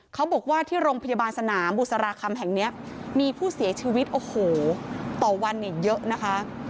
เขาบอกว่าที่โรงพยาบาลสนามบุษราคำแห่งนี้มีผู้เสียชีวิตโอ้โหต่อวันเนี่ยเยอะนะคะ